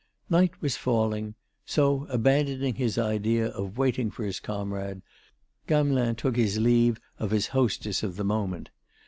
Night was falling; so abandoning his idea of waiting for his comrade, Gamelin took his leave of his hostess of the moment.